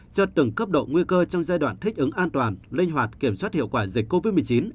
cho từng cấp độ nguy cơ trong giai đoạn thích ứng an toàn linh hoạt kiểm soát hiệu quả dịch covid một mươi chín